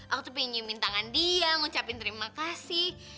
aku tuh pengen nyiumin tangan dia ngucapin terima kasih